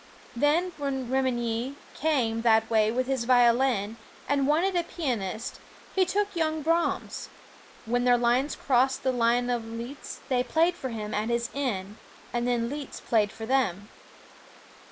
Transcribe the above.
Then when Remenyi came that way with his violin, and wanted a pianist, he took young Brahms. When their lines crossed the line of Liszt, they played for him at his inn; and then Liszt played for them.